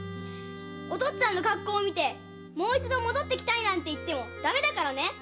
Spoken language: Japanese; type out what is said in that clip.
お父っつぁんの格好を見てもう一度戻ってきたいなんて言ってもダメだからね！